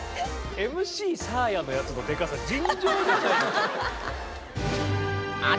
ＭＣサーヤのやつのデカさ尋常じゃない。